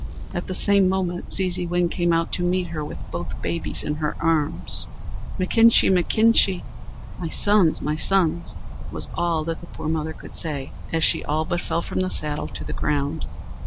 At the same moment, Zeezeewin came out to meet her with both babies in her arms. "Mechinkshee! mechinkshee! (my sons, my sons!)" was all that the poor mother could say, as she all but fell from the saddle to the ground.